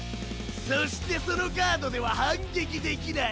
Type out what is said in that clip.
そしてそのカードでは反撃できない。